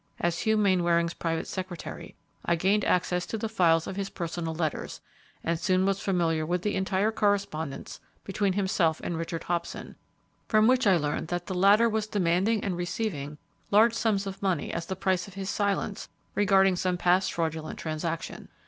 As Hugh Mainwaring's private secretary, I gained access to the files of his personal letters, and soon was familiar with the entire correspondence between himself and Richard Hobson, from which I learned that the latter demanding and receiving large sums of money as the price of his silence regarding some past fraudulent transaction.